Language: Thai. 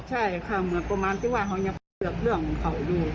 ใช่ค่ะเหมือนประมาณที่ว่าเขายังไปเปลือกเรื่องของเขาอยู่